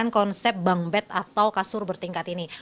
konsep bank bed atau kasur bertingkat ini